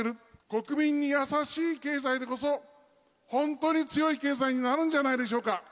国民に優しい経済でこそ、本当に強い経済になるんじゃないでしょうか。